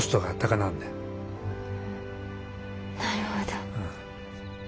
なるほど。